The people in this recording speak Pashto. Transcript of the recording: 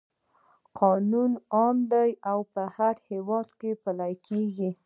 قانون عام دی او په هیواد پلی کیږي.